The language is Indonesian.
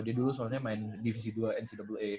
dia dulu soalnya main divisi dua ncaa